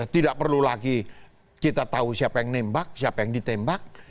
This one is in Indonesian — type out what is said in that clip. tidak perlu lagi kita tahu siapa yang nembak siapa yang ditembak